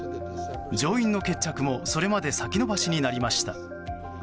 上院の決着もそれまで先延ばしになりました。